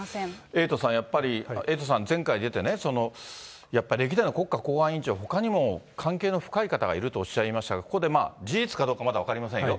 エイトさん、やっぱりエイトさん、前回出てね、やっぱ歴代の国家公安委員長、ほかにも関係の深い方がいるとおっしゃいましたが、ここで事実かどうかまだ分かりませんよ。